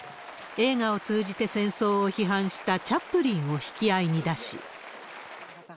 映画を通じて戦争を批判したチャップリンを引き合いに出し。